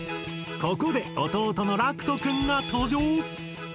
ここで弟のらくとくんが登場！